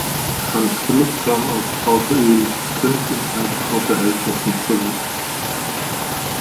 Hans Philipp kam als außereheliches Kind in einfachen Verhältnissen zur Welt.